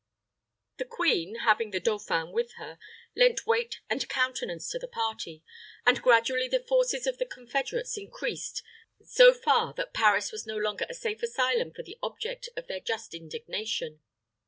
The queen, having the dauphin with her, lent weight and countenance to the party, and gradually the forces of the confederates increased so far that Paris was no longer a safe asylum for the object of their just indignation.